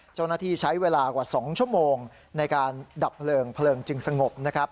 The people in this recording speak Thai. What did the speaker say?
เจ้าหน้าที่ใช้เวลากว่า๒ชั่วโมงในการดับเพลิงเพลิงจึงสงบนะครับ